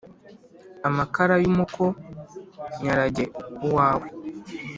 amakara y’umuko nyarage uwawe ;